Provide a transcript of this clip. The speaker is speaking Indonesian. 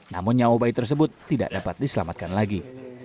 namun nyawa bayi tersebut tidak dapat diselamatkan lagi